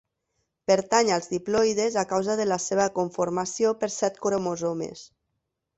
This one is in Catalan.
Pertany als diploides a causa de la seva conformació per set cromosomes.